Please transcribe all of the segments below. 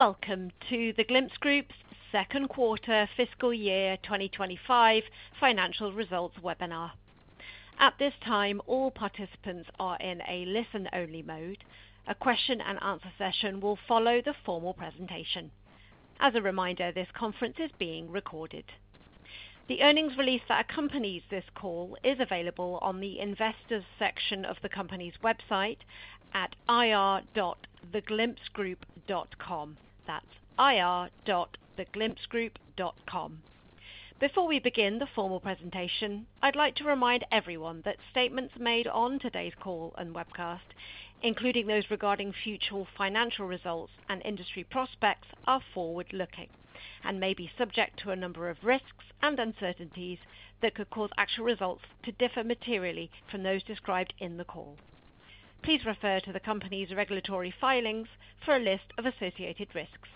Welcome to the Glimpse Group's Second Quarter Fiscal Year 2025 Financial Results Webinar. At this time, all participants are in a listen-only mode. A question-and-answer session will follow the formal presentation. As a reminder, this conference is being recorded. The earnings release that accompanies this call is available on the investors' section of the company's website at ir.theglimpsegroup.com. That is ir.theglimpsegroup.com. Before we begin the formal presentation, I'd like to remind everyone that statements made on today's call and webcast, including those regarding future financial results and industry prospects, are forward-looking and may be subject to a number of risks and uncertainties that could cause actual results to differ materially from those described in the call. Please refer to the company's regulatory filings for a list of associated risks,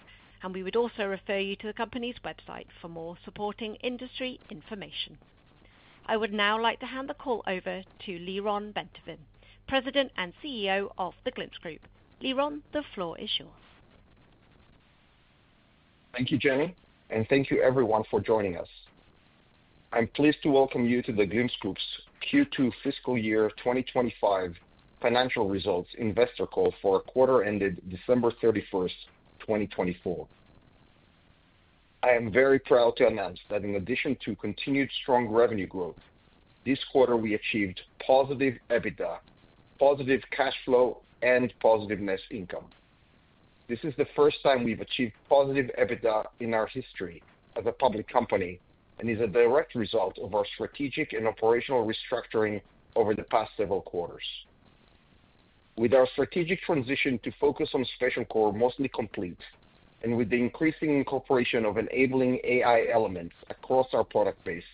and we would also refer you to the company's website for more supporting industry information. I would now like to hand the call over to Lyron Bentovim, President and CEO of the Glimpse Group. Lyron, the floor is yours. Thank you, Jenny, and thank you, everyone, for joining us. I'm pleased to welcome you to The Glimpse Group's Q2 Fiscal Year 2025 Financial Results investor call for quarter-ended December 31, 2024. I am very proud to announce that in addition to continued strong revenue growth, this quarter we achieved positive EBITDA, positive cash flow, and positive net income. This is the first time we've achieved positive EBITDA in our history as a public company and is a direct result of our strategic and operational restructuring over the past several quarters. With our strategic transition to focus on Spatial Core mostly complete and with the increasing incorporation of enabling AI elements across our product base,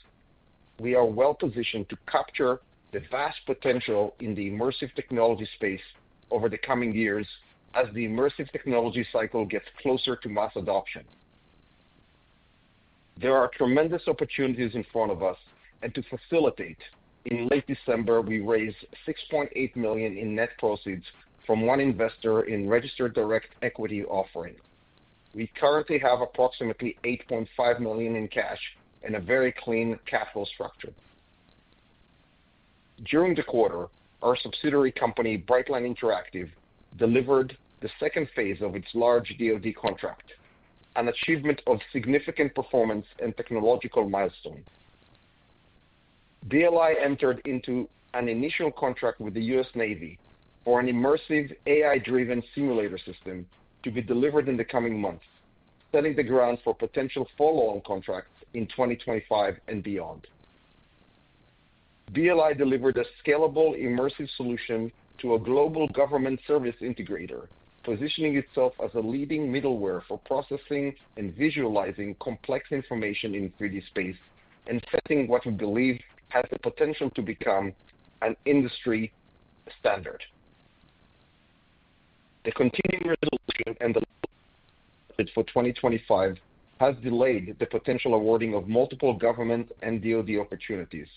we are well positioned to capture the vast potential in the immersive technology space over the coming years as the immersive technology cycle gets closer to mass adoption. There are tremendous opportunities in front of us, and to facilitate, in late December, we raised $6.8 million in net proceeds from one investor in a registered direct equity offering. We currently have approximately $8.5 million in cash and a very clean capital structure. During the quarter, our subsidiary company, Brightline Interactive, delivered the second phase of its large Department of Defense contract, an achievement of significant performance and technological milestone. Brightline Interactive entered into an initial contract with the U.S. Navy for an immersive AI-driven simulator system to be delivered in the coming months, setting the ground for potential follow-on contracts in 2025 and beyond. Brightline Interactive delivered a scalable immersive solution to a global government service integrator, positioning itself as a leading middleware for processing and visualizing complex information in 3D space and setting what we believe has the potential to become an industry standard. The continuing resolution and the budget for 2025 has delayed the potential awarding of multiple government and DoD opportunities.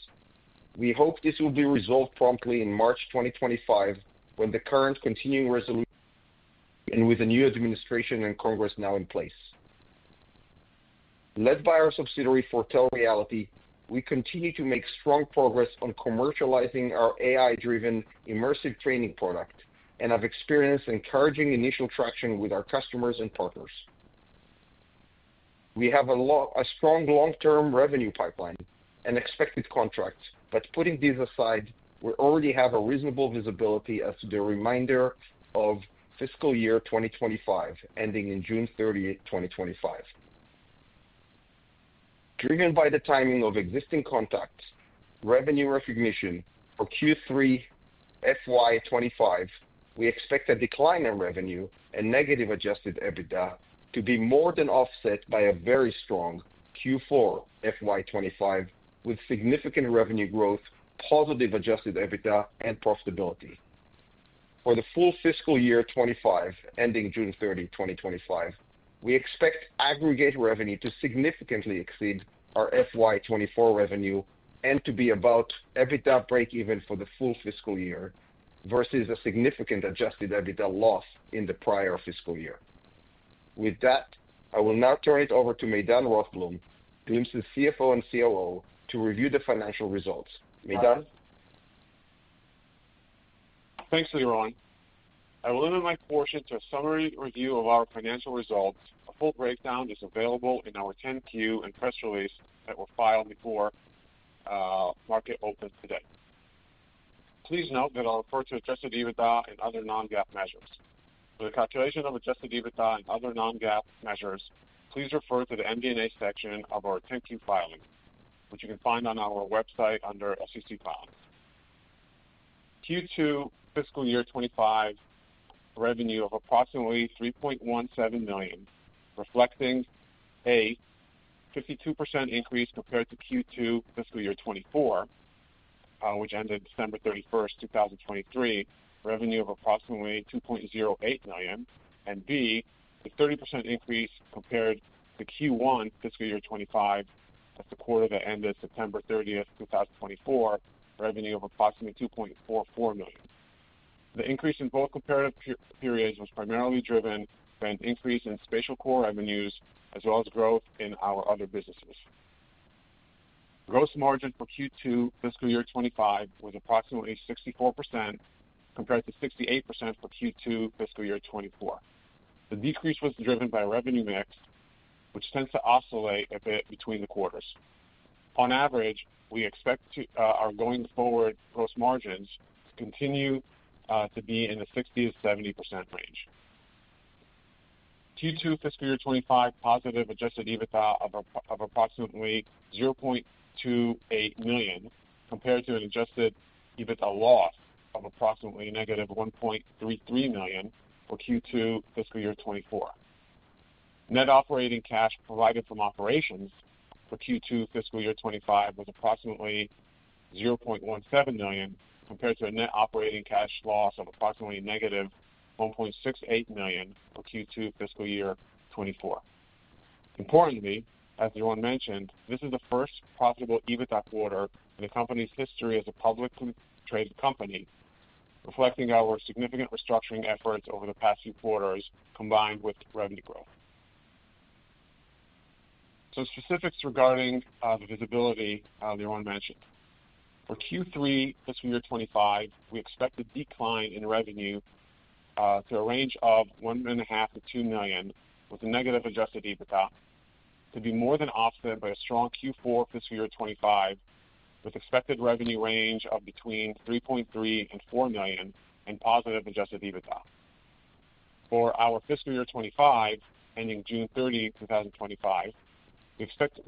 We hope this will be resolved promptly in March 2025 when the current continuing resolution and with a new administration and Congress now in place. Led by our subsidiary Foretell Reality, we continue to make strong progress on commercializing our AI-driven immersive training product and have experienced encouraging initial traction with our customers and partners. We have a strong long-term revenue pipeline and expected contracts, but putting these aside, we already have a reasonable visibility as to the remainder of fiscal year 2025 ending in June 30, 2025. Driven by the timing of existing contracts, revenue recognition for Q3 FY25, we expect a decline in revenue and negative Adjusted EBITDA to be more than offset by a very strong Q4 FY2025 with significant revenue growth, positive Adjusted EBITDA, and profitability. For the full fiscal year 2025 ending June 30, 2025, we expect aggregate revenue to significantly exceed our FY2024 revenue and to be about EBITDA break-even for the full fiscal year versus a significant Adjusted EBITDA loss in the prior fiscal year. With that, I will now turn it over to Maydan Rothblum, Glimpse's CFO and COO, to review the financial results. Maydan? Thanks, Lyron. I will end my portion to a summary review of our financial results. A full breakdown is available in our 10-Q and press release that were filed before market opens today. Please note that I'll refer to Adjusted EBITDA and other Non-GAAP measures. For the calculation of Adjusted EBITDA and other Non-GAAP measures, please refer to the MD&A section of our 10-Q filing, which you can find on our website under SEC filings. Q2 fiscal year 25 revenue of approximately $3.17 million, reflecting a 52% increase compared to Q2 fiscal year 2024, which ended December 31, 2023, revenue of approximately $2.08 million, and, B, a 30% increase compared to Q1 fiscal year 25 at the quarter that ended September 30, 2024, revenue of approximately $2.44 million. The increase in both comparative periods was primarily driven by an increase in Spatial Core revenues as well as growth in our other businesses. Gross margin for Q2 fiscal year 2025 was approximately 64% compared to 68% for Q2 fiscal year 2024. The decrease was driven by revenue mix, which tends to oscillate a bit between the quarters. On average, we expect our going forward gross margins to continue to be in the 60%-70% range. Q2 fiscal year 2025 positive Adjusted EBITDA of approximately $0.28 million compared to an Adjusted EBITDA loss of approximately negative $1.33 million for Q2 fiscal year 2024. Net operating cash provided from operations for Q2 fiscal year 2025 was approximately $0.17 million compared to a net operating cash loss of approximately negative $1.68 million for Q2 fiscal year 2024. Importantly, as Lyron mentioned, this is the first profitable EBITDA quarter in the company's history as a publicly traded company, reflecting our significant restructuring efforts over the past few quarters combined with revenue growth. Some specifics regarding the visibility Lyron mentioned. For Q3 fiscal year 2025, we expect a decline in revenue to a range of $1.5 million-$2 million with a negative Adjusted EBITDA to be more than offset by a strong Q4 fiscal year 2025 with expected revenue range of $3.3-$4 million and positive Adjusted EBITDA. For our fiscal year 2025 ending June 30, 2025, we expect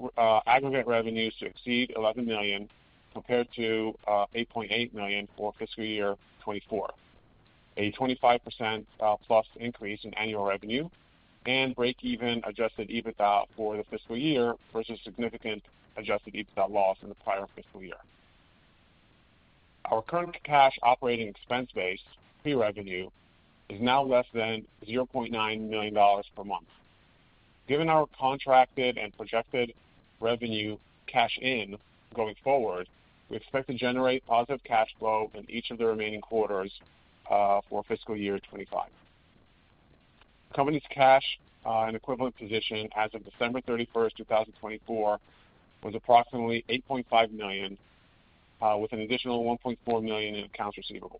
aggregate revenues to exceed $11 million compared to $8.8 million for fiscal year 2024, a 25%+ increase in annual revenue and break-even Adjusted EBITDA for the fiscal year versus significant Adjusted EBITDA loss in the prior fiscal year. Our current cash operating expense base pre-revenue is now less than $0.9 million per month. Given our contracted and projected revenue cash in going forward, we expect to generate positive cash flow in each of the remaining quarters for fiscal year 2025. Company's cash and equivalent position as of December 31, 2024, was approximately $8.5 million with an additional $1.4 million in accounts receivable.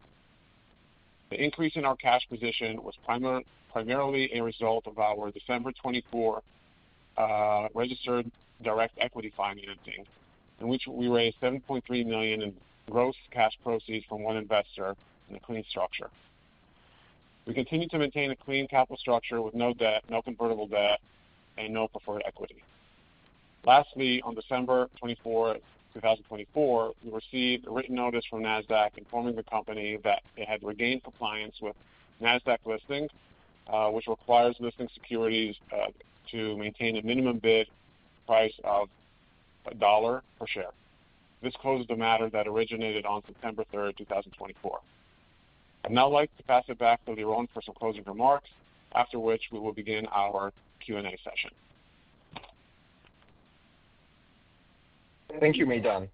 The increase in our cash position was primarily a result of our December 2024 registered direct equity financing, in which we raised $7.3 million in gross cash proceeds from one investor in a clean structure. We continue to maintain a clean capital structure with no debt, no convertible debt, and no preferred equity. Lastly, on December 24, 2024, we received a written notice from Nasdaq informing the company that it had regained compliance with Nasdaq listing, which requires listing securities to maintain a minimum bid price of $1 per share. This closes the matter that originated on September 3, 2024. I'd now like to pass it back to Lyron for some closing remarks, after which we will begin our Q&A session. Thank you, Maydan.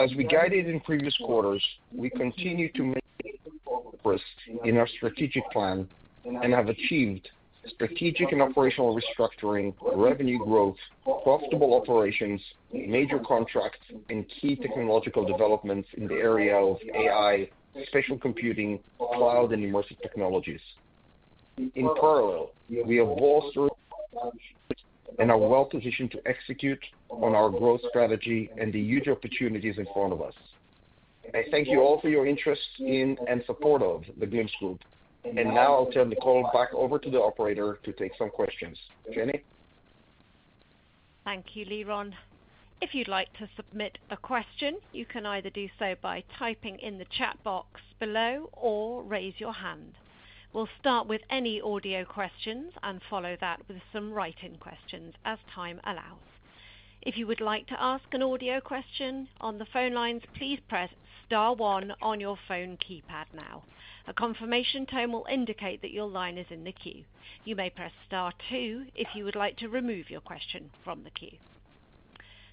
As we guided in previous quarters, we continue to maintain performance in our strategic plan and have achieved strategic and operational restructuring, revenue growth, profitable operations, major contracts, and key technological developments in the area of AI, spatial computing, cloud, and immersive technologies. In parallel, we have bolstered and are well positioned to execute on our growth strategy and the huge opportunities in front of us. I thank you all for your interest in and support of the Glimpse Group, and now I'll turn the call back over to the operator to take some questions. Jenny? Thank you, Lyron. If you'd like to submit a question, you can either do so by typing in the chat box below or raise your hand. We'll start with any audio questions and follow that with some writing questions as time allows. If you would like to ask an audio question on the phone lines, please press star one on your phone keypad now. A confirmation tone will indicate that your line is in the queue. You may press star two if you would like to remove your question from the queue.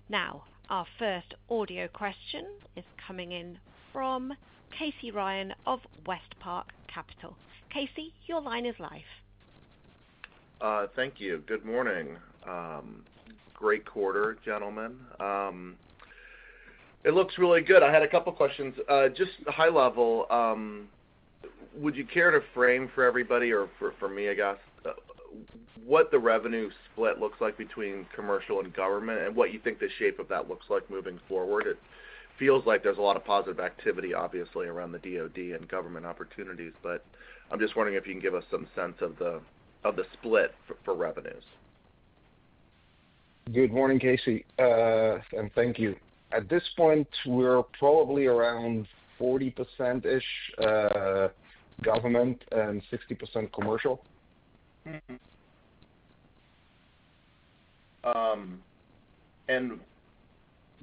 Now, our first audio question is coming in from Casey Ryan of Westpark Capital. Casey, your line is live. Thank you. Good morning. Great quarter, gentlemen. It looks really good. I had a couple of questions. Just high level, would you care to frame for everybody or for me, I guess, what the revenue split looks like between commercial and government and what you think the shape of that looks like moving forward? It feels like there's a lot of positive activity, obviously, around the DoD and government opportunities, but I'm just wondering if you can give us some sense of the split for revenues. Good morning, Casey, and thank you. At this point, we're probably around 40% government and 60% commercial.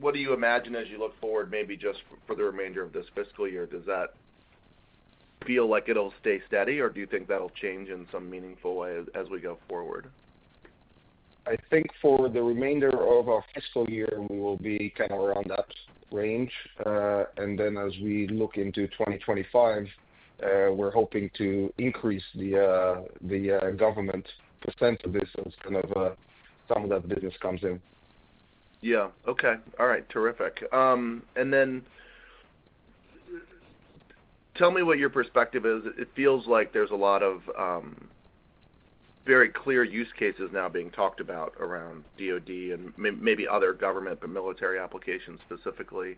What do you imagine as you look forward, maybe just for the remainder of this fiscal year? Does that feel like it'll stay steady, or do you think that'll change in some meaningful way as we go forward? I think for the remainder of our fiscal year, we will be kind of around that range. As we look into 2025, we're hoping to increase the government percent of this as kind of some of that business comes in. Yeah. Okay. All right. Terrific. Tell me what your perspective is. It feels like there's a lot of very clear use cases now being talked about around DoD and maybe other government, but military applications specifically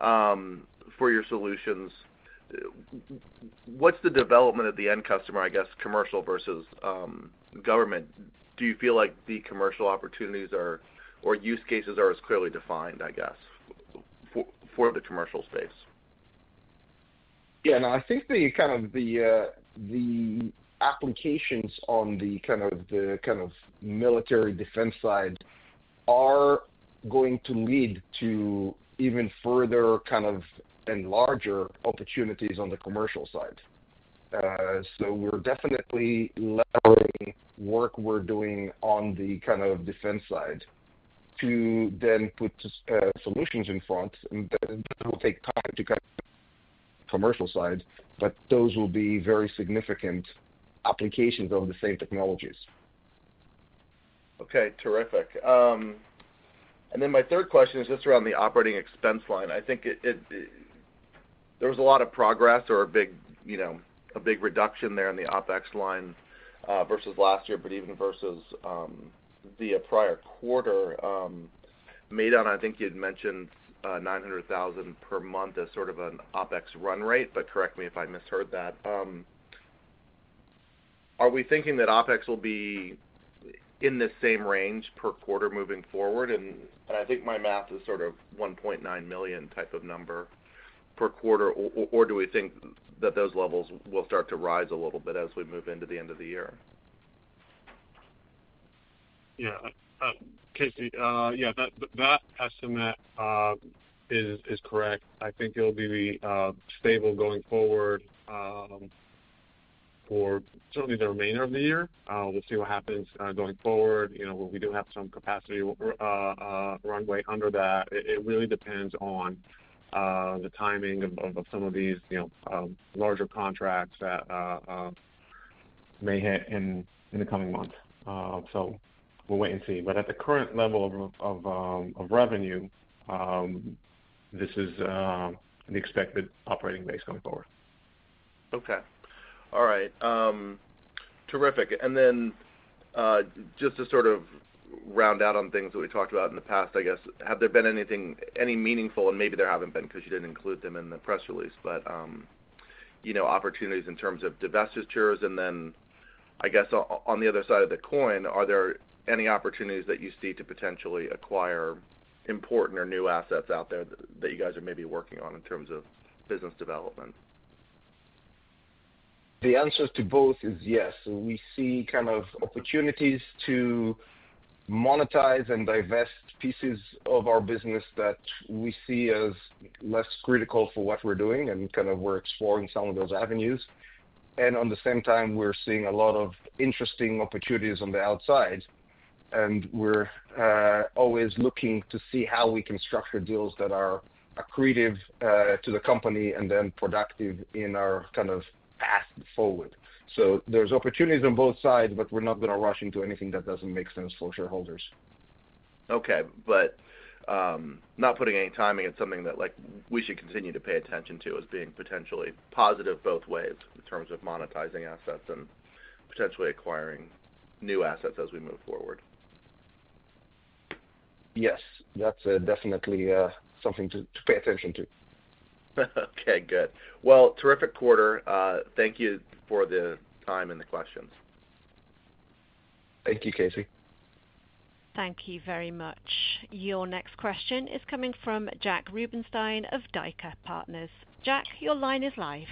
for your solutions. What's the development of the end customer, I guess, commercial versus government? Do you feel like the commercial opportunities or use cases are as clearly defined, I guess, for the commercial space? Yeah. No, I think kind of the applications on the kind of military defense side are going to lead to even further kind of and larger opportunities on the commercial side. We are definitely leveraging work we are doing on the kind of defense side to then put solutions in front. That will take time to kind of commercial side, but those will be very significant applications of the same technologies. Okay. Terrific. My third question is just around the operating expense line. I think there was a lot of progress or a big reduction there in the OpEx line versus last year, but even versus the prior quarter. Maydan, I think you'd mentioned $900,000 per month as sort of an OpEx run rate, but correct me if I misheard that. Are we thinking that OpEx will be in the same range per quarter moving forward? I think my math is sort of $1.9 million type of number per quarter, or do we think that those levels will start to rise a little bit as we move into the end of the year? Yeah. Casey, yeah, that estimate is correct. I think it'll be stable going forward for certainly the remainder of the year. We'll see what happens going forward. We do have some capacity runway under that. It really depends on the timing of some of these larger contracts that may hit in the coming months. We'll wait and see. At the current level of revenue, this is the expected operating base going forward. Okay. All right. Terrific. Just to sort of round out on things that we talked about in the past, I guess, have there been any meaningful, and maybe there have not been because you did not include them in the press release, but opportunities in terms of divestitures? I guess on the other side of the coin, are there any opportunities that you see to potentially acquire important or new assets out there that you guys are maybe working on in terms of business development? The answer to both is yes. We see kind of opportunities to monetize and divest pieces of our business that we see as less critical for what we're doing, and kind of we're exploring some of those avenues. At the same time, we're seeing a lot of interesting opportunities on the outside, and we're always looking to see how we can structure deals that are accretive to the company and then productive in our kind of path forward. There are opportunities on both sides, but we're not going to rush into anything that doesn't make sense for shareholders. Okay. Not putting any timing in, something that we should continue to pay attention to as being potentially positive both ways in terms of monetizing assets and potentially acquiring new assets as we move forward. Yes. That's definitely something to pay attention to. Okay. Good. Terrific quarter. Thank you for the time and the questions. Thank you, Casey. Thank you very much. Your next question is coming from Jack Rubinstein of DICA Partners. Jack, your line is live.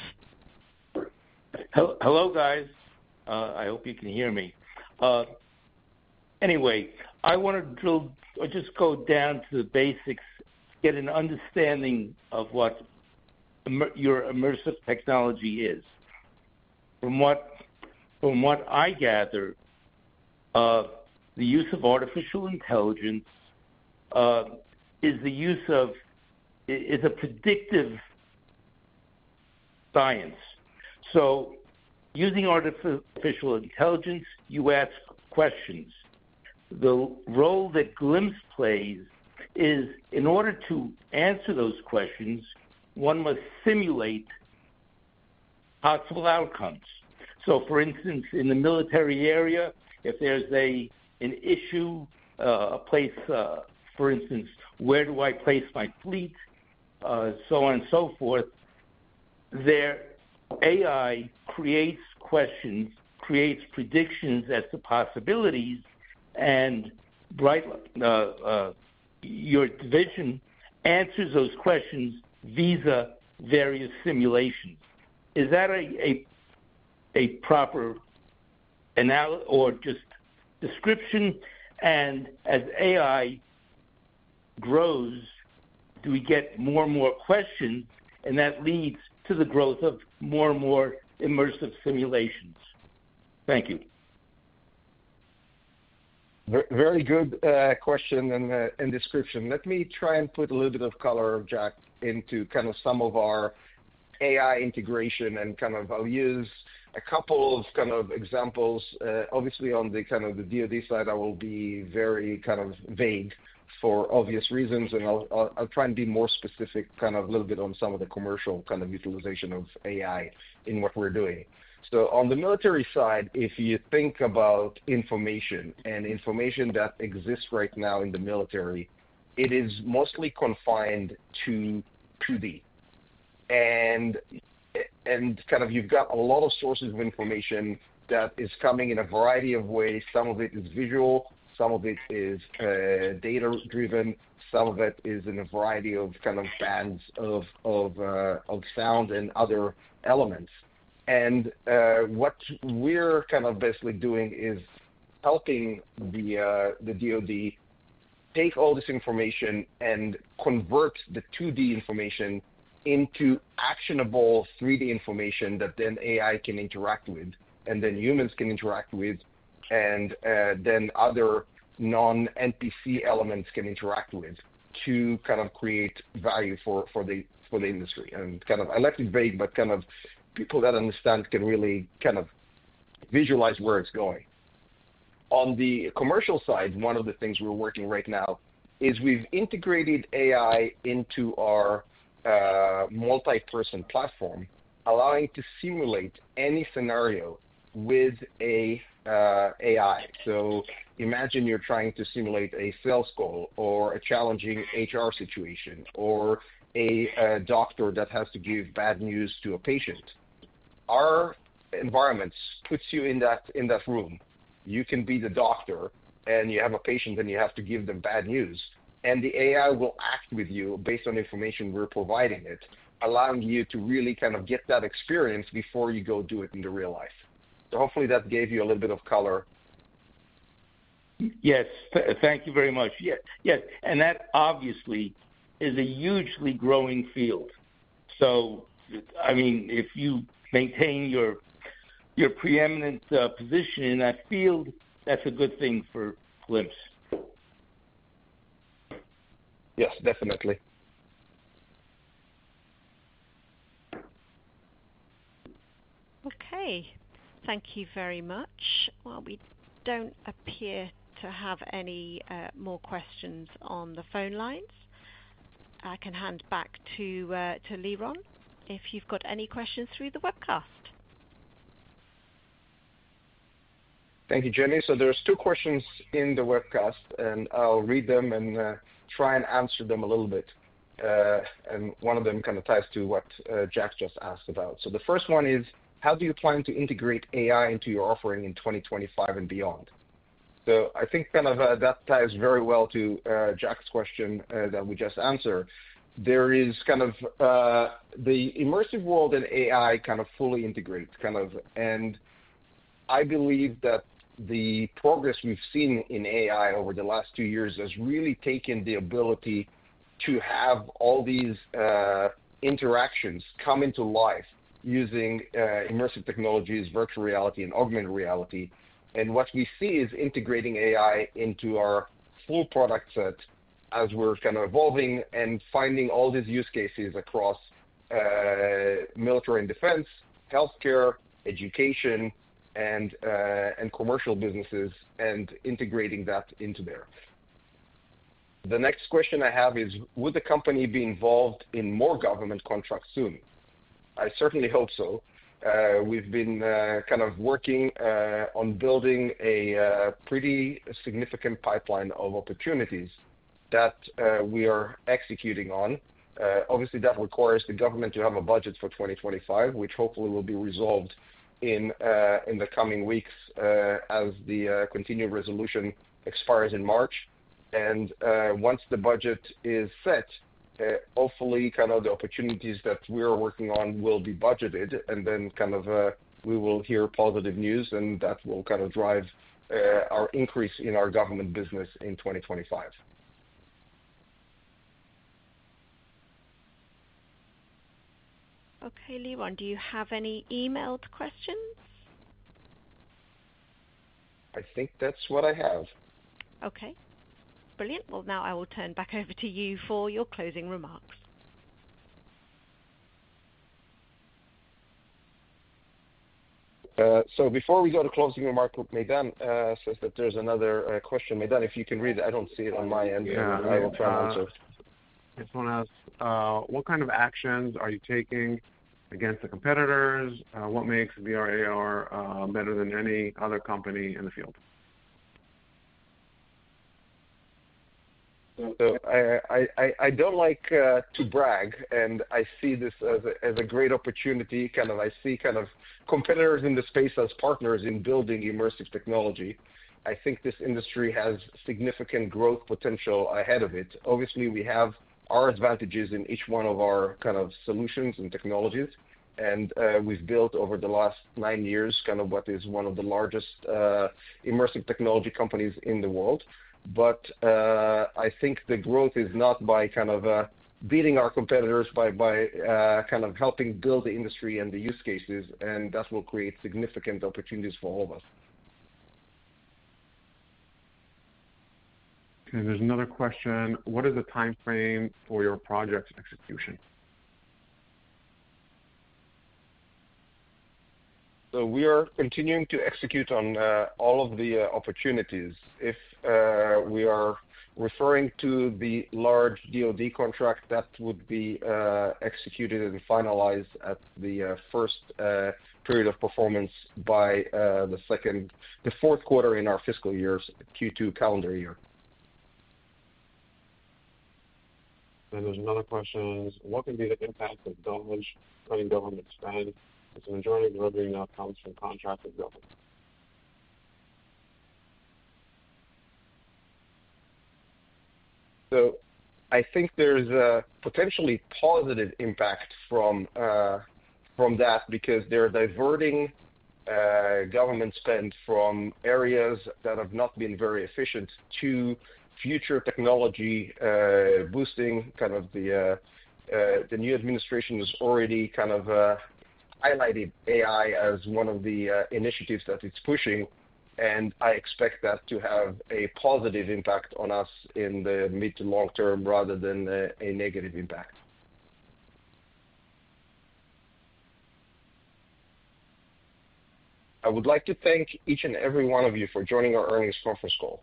Hello, guys. I hope you can hear me. Anyway, I want to just go down to the basics, get an understanding of what your immersive technology is. From what I gather, the use of artificial intelligence is the use of predictive science. Using artificial intelligence, you ask questions. The role that Glimpse plays is in order to answer those questions, one must simulate possible outcomes. For instance, in the military area, if there's an issue, a place, for instance, where do I place my fleet, so on and so forth, AI creates questions, creates predictions as to possibilities, and your division answers those questions via various simulations. Is that a proper or just description? As AI grows, do we get more and more questions, and that leads to the growth of more and more immersive simulations? Thank you. Very good question and description. Let me try and put a little bit of color of Jack into kind of some of our AI integration, and I'll use a couple of kind of examples. Obviously, on the kind of the DoD side, I will be very kind of vague for obvious reasons, and I'll try and be more specific kind of a little bit on some of the commercial kind of utilization of AI in what we're doing. On the military side, if you think about information and information that exists right now in the military, it is mostly confined to 2D. You've got a lot of sources of information that is coming in a variety of ways. Some of it is visual, some of it is data-driven, some of it is in a variety of kind of bands of sound and other elements. What we're basically doing is helping the Department of Defense take all this information and convert the 2D information into actionable 3D information that then AI can interact with, and then humans can interact with, and then other non-NPC elements can interact with to create value for the industry. I left it vague, but people that understand can really visualize where it's going. On the commercial side, one of the things we're working right now is we've integrated AI into our multi-person platform, allowing to simulate any scenario with an AI. Imagine you're trying to simulate a sales call or a challenging HR situation or a doctor that has to give bad news to a patient. Our environment puts you in that room. You can be the doctor, and you have a patient, and you have to give them bad news. The AI will act with you based on information we're providing it, allowing you to really kind of get that experience before you go do it in real life. Hopefully that gave you a little bit of color. Yes. Thank you very much. Yes. That obviously is a hugely growing field. I mean, if you maintain your preeminent position in that field, that's a good thing for Glimpse. Yes, definitely. Okay. Thank you very much. We do not appear to have any more questions on the phone lines. I can hand back to Lyron if you have any questions through the webcast. Thank you, Jenny. There are two questions in the webcast, and I'll read them and try and answer them a little bit. One of them kind of ties to what Jack just asked about. The first one is, how do you plan to integrate AI into your offering in 2025 and beyond? I think kind of that ties very well to Jack's question that we just answered. There is kind of the immersive world and AI kind of fully integrated. I believe that the progress we've seen in AI over the last two years has really taken the ability to have all these interactions come into life using immersive technologies, virtual reality, and augmented reality. What we see is integrating AI into our full product set as we're kind of evolving and finding all these use cases across military and defense, healthcare, education, and commercial businesses, and integrating that into there. The next question I have is, would the company be involved in more government contracts soon? I certainly hope so. We've been kind of working on building a pretty significant pipeline of opportunities that we are executing on. Obviously, that requires the government to have a budget for 2025, which hopefully will be resolved in the coming weeks as the continued resolution expires in March. Once the budget is set, hopefully kind of the opportunities that we are working on will be budgeted, and then kind of we will hear positive news, and that will kind of drive our increase in our government business in 2025. Okay, Lyron, do you have any emailed questions? I think that's what I have. Okay. Brilliant. Now I will turn back over to you for your closing remarks. Before we go to closing remarks, Maydan says that there's another question. Maydan, if you can read it, I don't see it on my end. I will try and answer. This one asks, what kind of actions are you taking against the competitors? What makes VRAR better than any other company in the field? I do not like to brag, and I see this as a great opportunity. I see kind of competitors in the space as partners in building immersive technology. I think this industry has significant growth potential ahead of it. Obviously, we have our advantages in each one of our kind of solutions and technologies. We have built over the last nine years what is one of the largest immersive technology companies in the world. I think the growth is not by beating our competitors, by helping build the industry and the use cases, and that will create significant opportunities for all of us. Okay. There's another question. What is the timeframe for your project execution? We are continuing to execute on all of the opportunities. If we are referring to the large Department of Defense contract, that would be executed and finalized at the first period of performance by the fourth quarter in our fiscal year, Q2 calendar year. There's another question. What can be the impact of DoD cutting government spend if the majority of revenue now comes from contracted government? I think there's a potentially positive impact from that because they're diverting government spend from areas that have not been very efficient to future technology boosting. Kind of the new administration has already kind of highlighted AI as one of the initiatives that it's pushing, and I expect that to have a positive impact on us in the mid to long term rather than a negative impact. I would like to thank each and every one of you for joining our earnings conference call.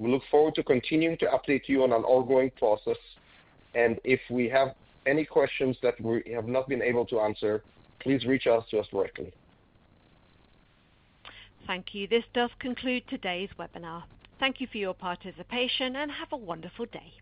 We look forward to continuing to update you on an ongoing process. If we have any questions that we have not been able to answer, please reach out to us directly. Thank you. This does conclude today's webinar. Thank you for your participation, and have a wonderful day.